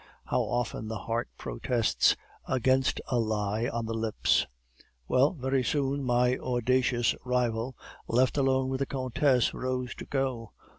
How often the heart protests against a lie on the lips! "Well, very soon my audacious rival, left alone with the countess, rose to go.